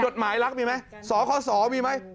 จดหมายรักมีไหมสคสมีไหม